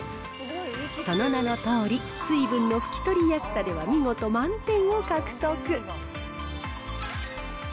その名のとおり、水分の拭き取りやすさでは見事満点を獲得。